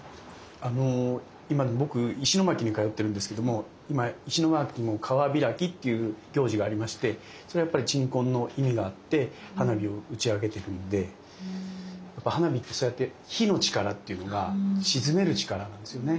今僕石巻に通ってるんですけども今石巻も「川開き」っていう行事がありましてそれはやっぱり鎮魂の意味があって花火を打ち上げてるんでやっぱ花火ってそうやって火の力っていうのが鎮める力なんですよね。